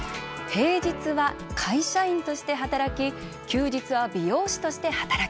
平日は会社員として働き休日は美容師として働く。